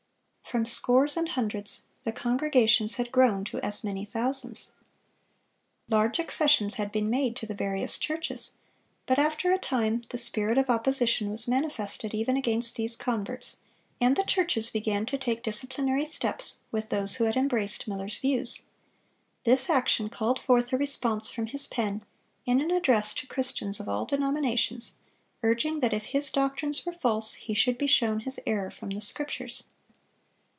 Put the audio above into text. From scores and hundreds, the congregations had grown to as many thousands. Large accessions had been made to the various churches, but after a time the spirit of opposition was manifested even against these converts, and the churches began to take disciplinary steps with those who had embraced Miller's views. This action called forth a response from his pen, in an address to Christians of all denominations, urging that if his doctrines were false, he should be shown his error from the Scriptures.